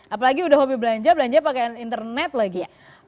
apalagi udah hobi belanja belanja pakai internet lagi